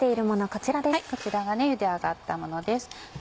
こちらがゆで上がったものです。